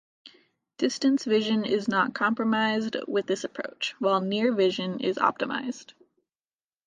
Distance vision is not compromised with this approach, while near vision is optimized.